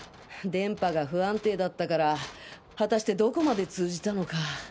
電波が不安定だったから果たしてどこまで通じたのか。